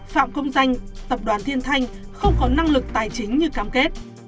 phạm công danh tập đoàn thiên thanh không có năng lực tài chính như cam kết